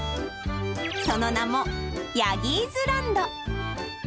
その名もヤギーズランド。